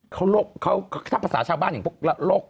เขาโรคเขาท่าภาษาชาระบ้านอย่างทุกมตรว่าโรค